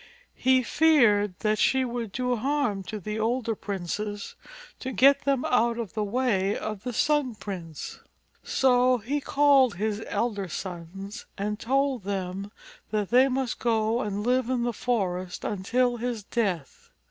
He feared that she would do harm to the older princes to get them out of the way of the Sun Prince. So he called his elder sons and told them' that they must go and live in the forest until his death.